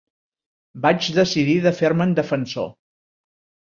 Vaig decidir de fer-me'n defensor.